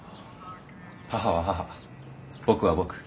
母は母僕は僕。